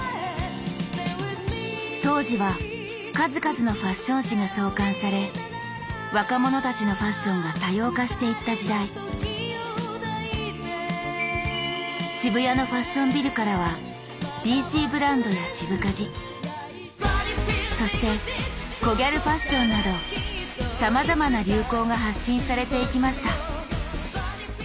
当時は数々のファッション誌が創刊され若者たちのファッションが多様化していった時代渋谷のファッションビルからはＤＣブランドや渋カジそしてコギャルファッションなどさまざまな流行が発信されていきました